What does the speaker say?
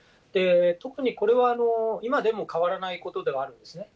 特に、これは今でも変わらないことではあるんですね。